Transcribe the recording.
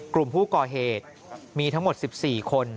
กลุ่มผู้ก่อเหตุมีทั้งหมด๑๔คน